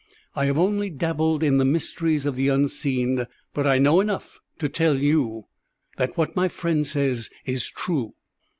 I have only dabbled in the mysteries of the unseen, but I know enough to tell you that what my friend says is true."